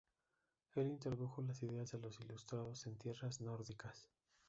Él introdujo las ideas de los ilustrados en tierras nórdicas.